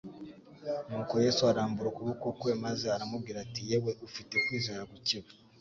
Nuko Yesu, arambura ukuboko kwe, maze aramubwira ati: «Yewe ufite kwizera guke we,